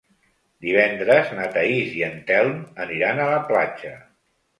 Divendres na Thaís i en Telm aniran a la platja.